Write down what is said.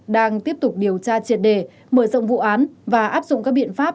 đang tiếp tục điều tra triệt đề mở rộng vụ án và áp dụng các biện pháp